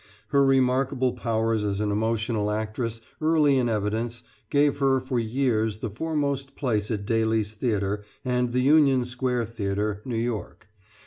Her remarkable powers as an emotional actress, early in evidence, gave her for years the foremost place at Daly's Theatre, and the Union Square Theatre, New York.